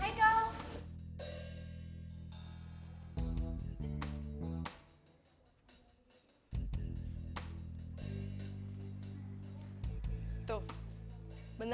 ngomongnya gue kalau ditelan teman lah